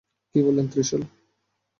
কী বললেন, ত্রিশূল?